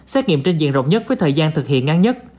xét nghiệm trên diện rộng nhất với thời gian thực hiện ngắn nhất